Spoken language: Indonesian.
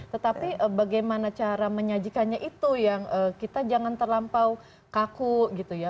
tetapi bagaimana cara menyajikannya itu yang kita jangan terlampau kaku gitu ya